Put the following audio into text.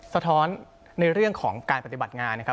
สะท้อนในเรื่องของการปฏิบัติงานนะครับ